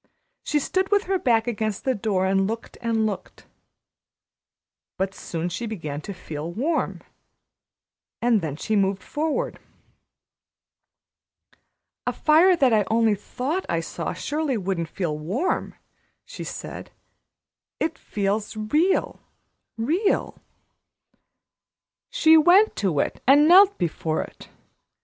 She stood with her back against the door and looked and looked. But soon she began to feel warm, and then she moved forward. "A fire that I only thought I saw surely wouldn't feel warm," she said. "It feels real real." She went to it and knelt before it.